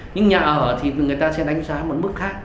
nhưng nhà ở thì người ta sẽ đánh giá một mức khác